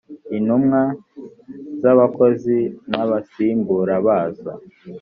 intumwa z abakozi n abasimbura bazo